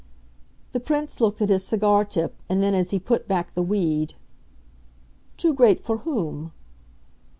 The Prince looked at his cigar tip, and then as he put back the weed: "Too great for whom?"